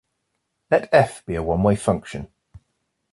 Let "f" be a one-way function.